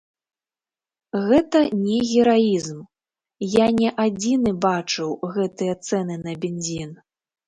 Гэта не гераізм, я не адзіны бачыў гэтыя цэны на бензін.